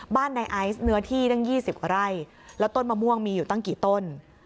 ในไอซ์เนื้อที่ตั้ง๒๐กว่าไร่แล้วต้นมะม่วงมีอยู่ตั้งกี่ต้น